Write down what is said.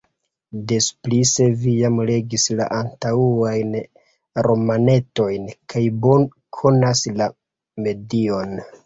Des pli, se vi jam legis la antaŭajn romanetojn kaj konas la medion!